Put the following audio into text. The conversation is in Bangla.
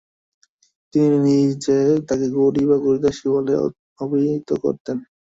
তিনি নিজে তাকে গৌরী বা গৌরীদাসি বলে অবহিত করতেন।